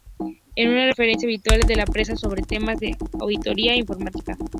Es una referencia habitual en la prensa sobre temas de auditoría informática.